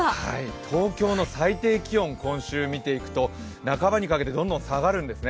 東京の最低気温、今週見ていくと、半ばにかけてどんどん下がるんですね。